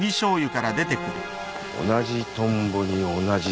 同じトンボに同じせりふ？